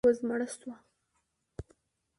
وزمړه سوه.